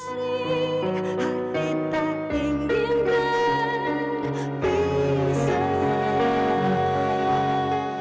hati tak inginkan bisa